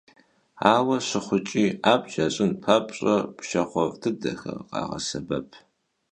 Aue şıxhuç'i, abc yaş'ın papş'e pşşaxhuef' dıdexer khağesebep.